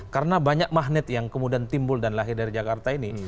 karena banyak magnet yang kemudian timbul dan lahir dari jakarta ini